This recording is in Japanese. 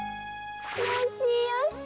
よしよし。